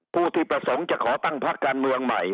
ผู้ที่ประสงค์จะขอตั้งพักการเมืองใหม่